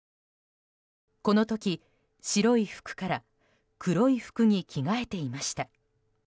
この時、白い服から黒い服に着替えていました。